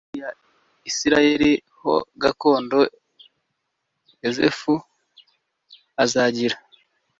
cumi n ibiri ya Isirayeli ho gakondo Yosefu azagira